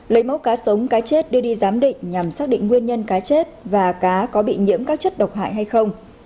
lấy mẫu cá sống cá chết đưa đi giám định nhằm xác định nguyên nhân cá chết và cá có bị nhiễm các chất độc hại hay không